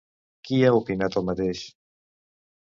Qui ha opinat el mateix?